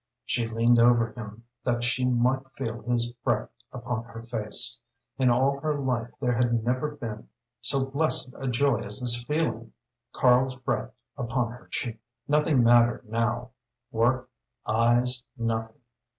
She leaned over him that she might feel his breath upon her face. In all her life there had never been so blessed a joy as this feeling Karl's breath upon her cheek. Nothing mattered now work, eyes, nothing.